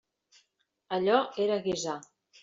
Allò era guisar.